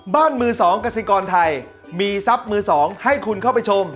บ้านมือสองกสิกรไทยมีทรัพย์มือสองให้คุณเข้าไปชม